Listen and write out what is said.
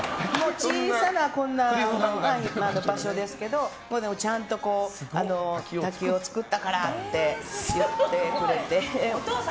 小さな場所ですけどでもちゃんと、滝を作ったからって言ってくれて。